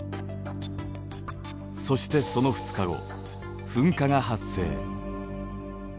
そしてその２日後噴火が発生。